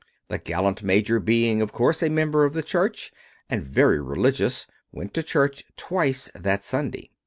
The gallant major being, of course, a member of the church, and very religious, went to church twice that Sunday.